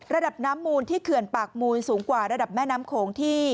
ระดับน้ำมูลที่เขื่อนปากมูลสูงกว่าระดับแม่น้ำโขงที่